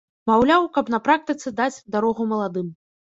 Маўляў, каб на практыцы даць дарогу маладым.